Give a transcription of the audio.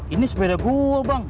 ini sepeda gua bang